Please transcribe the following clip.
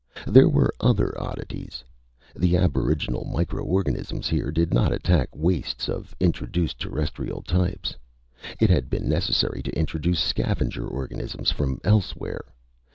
There were other oddities. The aboriginal microorganisms here did not attack wastes of introduced terrestrial types. It had been necessary to introduce scavenger organisms from elsewhere.